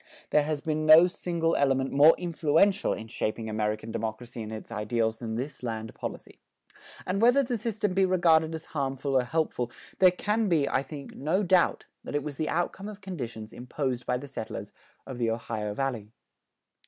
There has been no single element more influential in shaping American democracy and its ideals than this land policy. And whether the system be regarded as harmful or helpful, there can be, I think, no doubt that it was the outcome of conditions imposed by the settlers of the Ohio Valley.